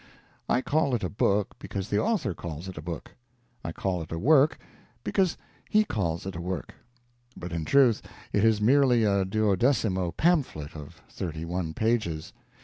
I call it a book because the author calls it a book, I call it a work because he calls it a work; but, in truth, it is merely a duodecimo pamphlet of thirty one pages.